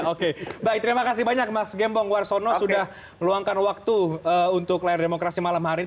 oke baik terima kasih banyak mas gembong warsono sudah meluangkan waktu untuk layar demokrasi malam hari ini